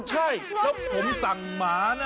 ใช่แล้วผมสั่งหมานะ